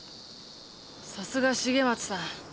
さすが重松さん